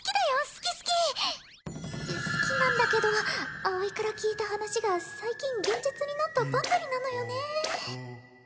好き好き好きなんだけど葵から聞いた話が最近現実になったばかりなのよね